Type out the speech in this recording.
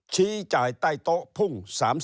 ชี้จ่ายใต้โต๊ะพุ่ง๓๐